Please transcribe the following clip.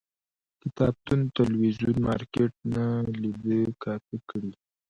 کتابتون، تلویزون، مارکيټ نه لیده کاته کړي